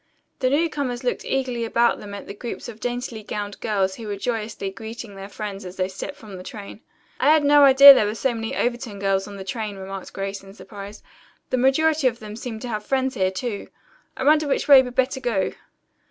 The newcomers looked eagerly about them at the groups of daintily gowned girls who were joyously greeting their friends as they stepped from the train. "I had no idea there were so many Overton girls on the train," remarked Grace in surprise. "The majority of them seem to have friends here, too. I wonder which way we'd better go."